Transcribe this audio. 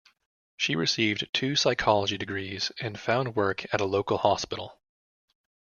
She received two psychology degrees and found work at a local hospital.